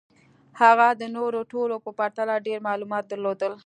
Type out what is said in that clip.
هغه د نورو ټولو په پرتله ډېر معلومات درلودل